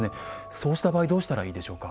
そうした場合どうしたらいいでしょうか？